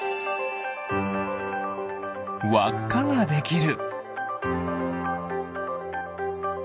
わっかができる。